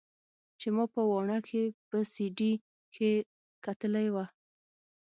چې ما په واڼه کښې په سي ډي کښې کتلې وه.